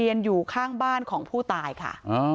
อยู่ข้างบ้านของผู้ตายค่ะ